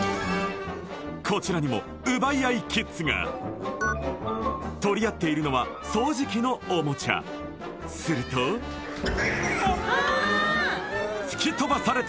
こちらにも奪い合いキッズが取り合っているのは掃除機のおもちゃすると突き飛ばされて